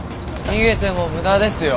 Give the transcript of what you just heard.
逃げても無駄ですよ。